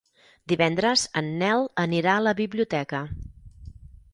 Divendres en Nel anirà a la biblioteca.